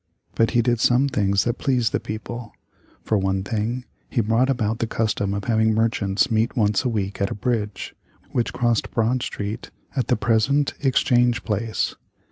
But he did some things that pleased the people. For one thing, he brought about the custom of having merchants meet once a week at a bridge which crossed Broad Street at the present Exchange Place.